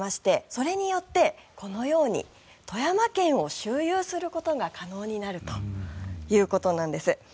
それによってこのように富山県を周遊することが可能になるということなんです。